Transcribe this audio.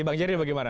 bang jerry bagaimana